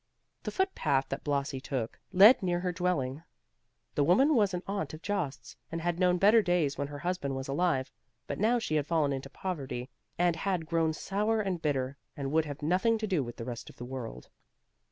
The foot path that Blasi took, led near her dwelling. The woman was an aunt of Jost's, and had known better days when her husband was alive; but now she had fallen into poverty, and had grown sour and bitter, and would have nothing to do with the rest of the world.